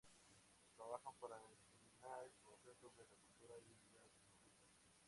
Trabajan para diseminar información sobre la cultura y vida rusas.